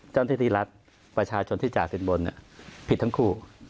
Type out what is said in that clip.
เจ้าหน้าที่รัฐประชาชนที่จ่ายสินบนผิดทั้งคู่